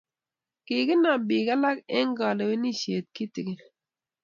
kikinam bik alak eng kalewenisjiet kitikin